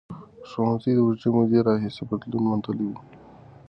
ښوونځي د اوږدې مودې راهیسې بدلون منلی و.